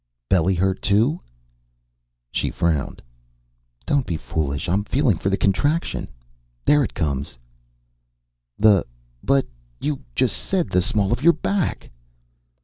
"Belly hurt, too?" She frowned. "Don't be foolish. I'm feeling for the contraction. There it comes." "The but you just said the small of your back."